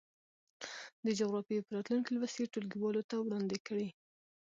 د جغرافيې په راتلونکي لوست یې ټولګیوالو ته وړاندې کړئ.